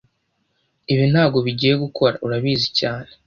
Ibi ntago bigiye gukora, urabizi cyane